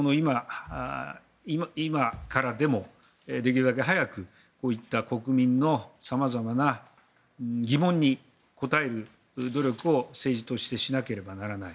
今からでもできるだけ早くこういった国民の様々な疑問に答える努力を政治としてしなければならない。